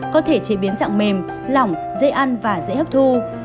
có thể chế biến dạng mềm lỏng dễ ăn và dễ hấp thu